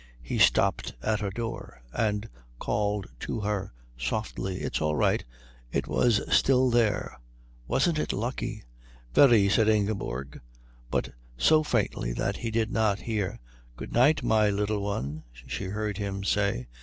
He stopped at her door and called to her softly: "It's all right. It was still there. Wasn't it lucky?" "Very," said Ingeborg; but so faintly that he did not hear. "Good night, my Little One," she heard him say.